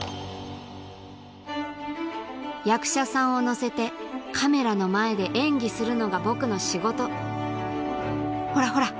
役者さんを乗せてカメラの前で演技するのが僕の仕事ほらほら